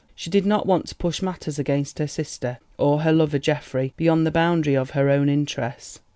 She did not want to push matters against her sister, or her lover Geoffrey, beyond the boundary of her own interests.